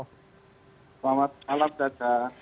selamat malam dada